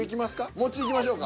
もちいきましょうか。